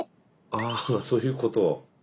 ああそういうこと。